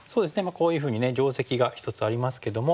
こういうふうに定石が一つありますけども。